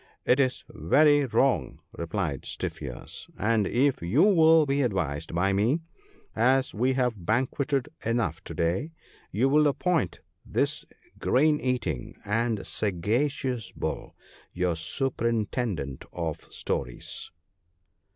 It is very wrong,' replied Stiff ears ;' and if you will be advised by me — as we have banqueted enough to day — you will appoint this grain eating and sagacious Bull your Superintendent of Stores.'